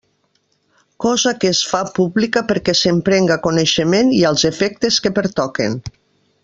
Cosa que es fa pública perquè se'n prenga coneixement i als efectes que pertoquen.